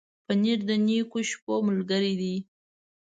پنېر د نېکو شپو ملګری دی.